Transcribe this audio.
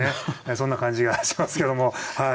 そんな感じがしますけどもはい。